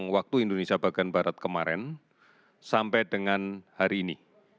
waktu indonesia bagian barat kemarin sampai dengan hari ini